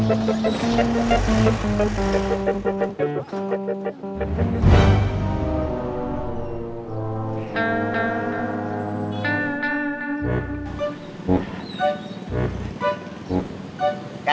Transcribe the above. empat sampai carga